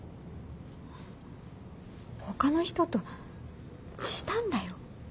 他の人としたんだよ？